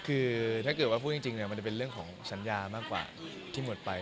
คือถ้าเกิดว่าพูดจริงมันจะเป็นเรื่องของสัญญามากกว่าที่หมดไป